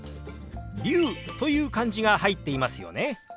龍という漢字が入っていますよね。